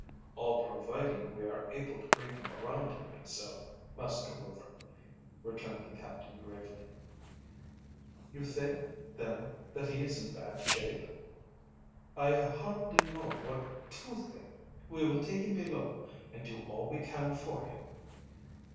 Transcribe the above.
"All providing we are able to bring him around to himself, Master Rover," returned the captain gravely. "You think, then, that he is in bad shape?" "I hardly know what to think. We will take him below and do all we can for him."